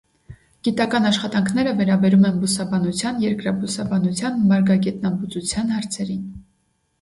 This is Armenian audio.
Գիտական աշխատանքները վերաբերում են բուսաբանության, երկրաբուսաբանության, մարգագետնաբուծության հարցերին։